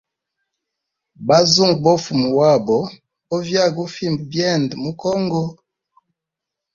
Bazungu bo fuma wabo bo vyaga ufimba byende mu congo.